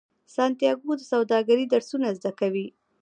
سانتیاګو د سوداګرۍ درسونه زده کوي.